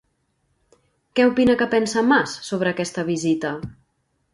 Què opina que pensa Mas sobre aquesta vista?